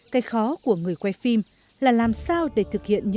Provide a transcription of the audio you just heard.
đồng chí bình tĩnh